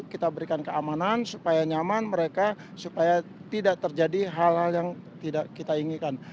kita berikan keamanan supaya nyaman mereka supaya tidak terjadi hal hal yang tidak kita inginkan